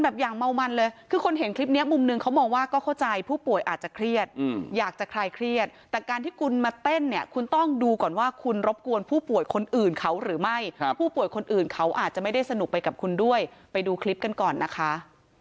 อย่างเมามันเลยคือคนเห็นคลิปนี้มุมหนึ่งเขามองว่าก็เข้าใจผู้ป่วยอาจจะเครียดอยากจะคลายเครียดแต่การที่คุณมาเต้นเนี่ยคุณต้องดูก่อนว่าคุณรบกวนผู้ป่วยคนอื่นเขาหรือไม่ผู้ป่วยคนอื่นเขาอาจจะไม่ได้สนุกไปกับคุณด้วยไปดูคลิปกันก่อนนะคะ